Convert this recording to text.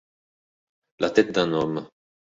La tête d'un homme